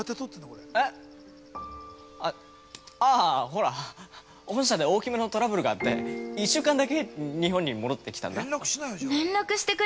ほら本社で大きめのトラブルがあって１週間だけ日本に戻ってきたんだ。